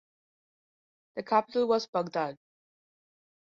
The capital was Baghdad.